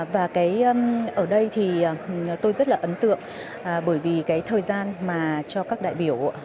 và ở đây thì tôi rất là ấn tượng bởi vì cái thời gian mà cho các đại biểu